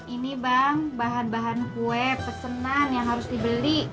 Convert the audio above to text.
ini bang bahan bahan kue pesenan yang harus dibeli